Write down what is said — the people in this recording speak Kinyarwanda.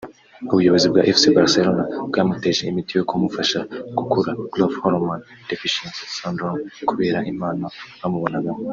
ubuyobozi bwa Fc Barcelona bwamuteje imiti yo kumufasha gukura (growth hormone deficiency syndrome) kubera impano bamubonagamo